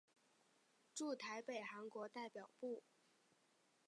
驻台北韩国代表部。